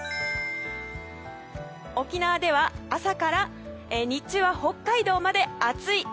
沖縄は朝から日中は北海道まで暑い。